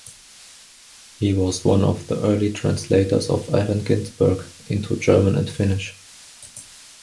He was one of the early translators of Allen Ginsberg into German and Finnish.